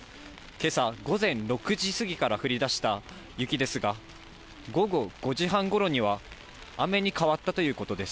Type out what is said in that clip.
けさ午前６時過ぎから降りだした雪ですが、午後５時半ごろには雨に変わったということです。